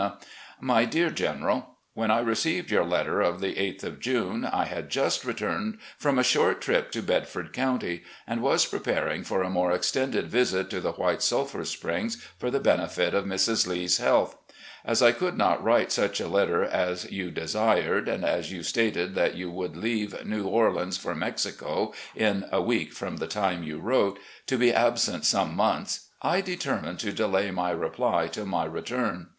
My Dear General: When I received your letter of the 8th of June, I had just returned from a short trip to MOUNTAIN RIDES 269 Bedford County, and was preparing for a more extended visit to the White Srilphur Springs for the benefit of Mrs. Lee's health. As I could not write such a letter as you desired, and as you stated that you would leave New Orleans for Mexico in a week from the time you wrote, to be absent some months, I determined to delay m3'^ reply till my return.